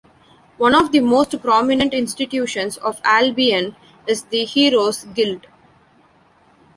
One of the most prominent institutions of Albion is the Heroes' Guild.